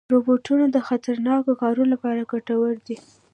روبوټونه د خطرناکو کارونو لپاره ګټور دي.